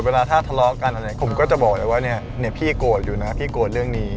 เวลาถ้าทะเลาะกันอะไรผมก็จะบอกเลยว่าเนี่ยพี่โกรธอยู่นะพี่โกรธเรื่องนี้